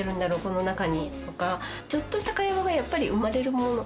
この中にとかちょっとした会話がやっぱり生まれるもんなんですよね。